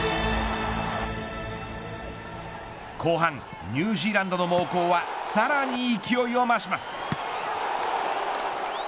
後半、ニュージーランドの猛攻はさらに勢いを増します。